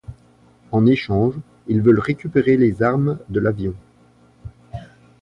En échange, ils veulent récupérer les armes de l'avion.